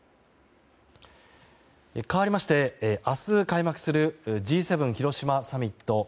かわりまして明日開幕するＧ７広島サミット。